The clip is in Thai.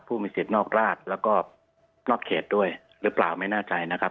ผู้มีสิทธิ์นอกราชแล้วก็นอกเขตด้วยหรือเปล่าไม่แน่ใจนะครับ